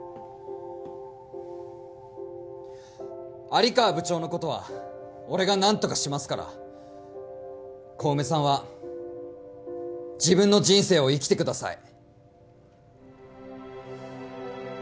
有川部長のことは俺が何とかしますから小梅さんは自分の人生を生きてください。